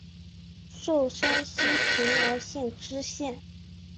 授山西平遥县知县。